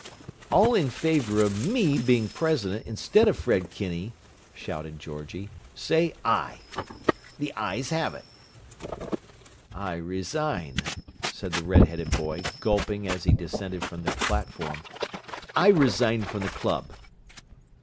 "All in favour of me being president instead of Fred Kinney," shouted Georgie, "say 'Aye.' The 'Ayes' have it!" "I resign," said the red headed boy, gulping as he descended from the platform. "I resign from the club!"